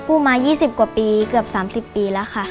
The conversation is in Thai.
กู้มายี่สิบกว่าปีเกือบสามสิบปีแล้วค่ะ